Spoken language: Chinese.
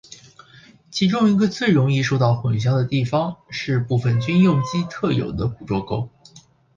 其中一个最容易受到混淆的地方是部份军用机特有的捕捉勾。